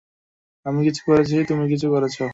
আমি কিছু করেছি, তুমি কিছু করেছ।